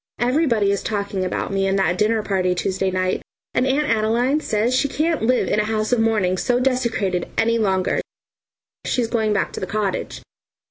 Everybody is talking about me and that dinner party Tuesday night, and Aunt Adeline says she can't live in a house of mourning so desecrated any longer; she's going back to the cottage.